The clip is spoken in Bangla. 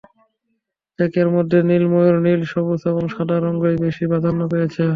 চেকের মধ্যে নীল, ময়ূর নীল, সবুজ এবং সাদা রঙই বেশি প্রাধান্য পেয়েছে।